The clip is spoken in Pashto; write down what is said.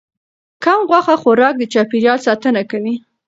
کم غوښه خوراک د چاپیریال ساتنه کوي.